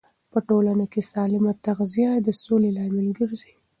په ټولنه کې سالمه تغذیه د سولې لامل ګرځي.